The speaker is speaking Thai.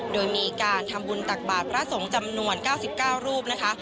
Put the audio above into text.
โดยมีการทำบุญตักบาทพระสงฆ์จำนวน๙๙รูปนะคะ